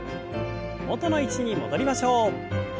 元の位置に戻りましょう。